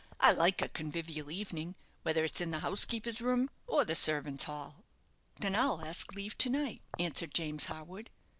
"I like a convivial evening, whether it's in the housekeeper's room or the servants' hall." "Then I'll ask leave to night," answered James Harwood.